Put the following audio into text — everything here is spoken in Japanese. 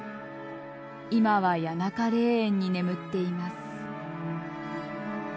今は谷中霊園に眠っています。